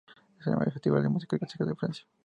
Es el mayor festival de música clásica de Francia.